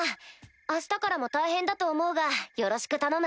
明日からも大変だと思うがよろしく頼む。